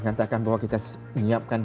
mengatakan bahwa kita menyiapkan